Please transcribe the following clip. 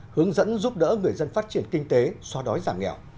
hướng dẫn giúp đỡ người dân phát triển kinh tế xóa đói giảm nghèo